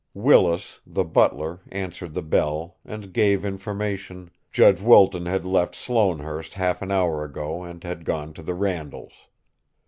Willis, the butler, answered the bell, and gave information: Judge Wilton had left Sloanehurst half an hour ago and had gone to the Randalls'.